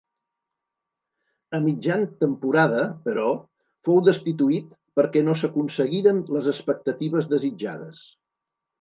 A mitjan temporada, però, fou destituït perquè no s'aconseguiren les expectatives desitjades.